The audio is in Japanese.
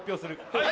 はい？